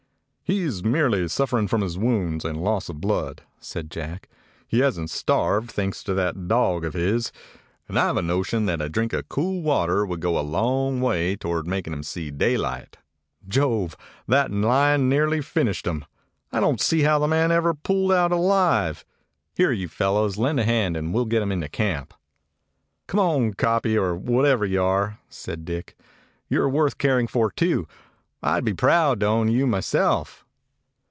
"He is merely suffering from his wounds and loss of blood," said Jack. "He hasn't starved, thanks to that dog of his ; and I 've a notion that a drink of cool water would go a long way toward making him see daylight. Jove! that lion nearly finished him. I don't see how the man ever pulled out alive. Here, you fellows, lend a hand, and we 'll get him into camp." "Come on, kopje, or whatever you are," said Dick. "You are worth caring for too. I 'd be proud to own you myself."